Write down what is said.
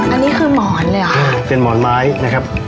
อันนี้คือหมอนเลยเหรอคะเป็นหมอนไม้นะครับ